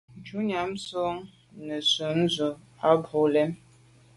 Shutnyàm tshob nzenze ndù à bwôg lem.